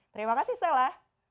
terima kasih stella